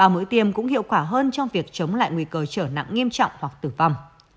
mũi tiêm cũng hiệu quả hơn trong việc chống lại nguy cơ trở nặng nghiêm trọng hoặc tử vong